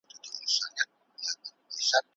د تاریخي کرکټرونو په اړه افراطي موقفونه ونیول سول.